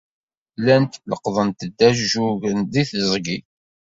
Llant leqqḍent-d ajuj deg teẓgi.